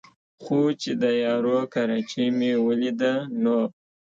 خو چې د یارو کراچۍ مې ولېده نو